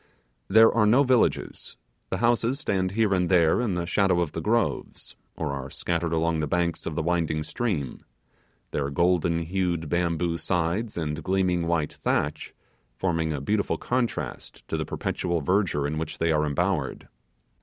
There are no villages; the houses stand here and there in the shadow of the groves, or are scattered along the banks of the winding stream; their golden hued bamboo sides and gleaming white thatch forming a beautiful contrast to the perpetual verdure in which they are embowered.